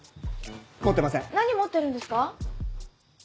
何持ってるんですか？